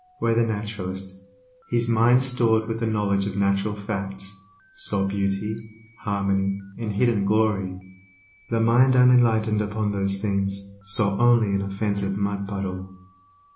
Where the naturalist, his mind stored with the knowledge of natural facts, saw beauty, harmony, and hidden glory, the mind unenlightened upon those things saw only an offensive mud puddle.